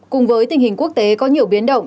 cùng với tình hình quốc tế có nhiều biến động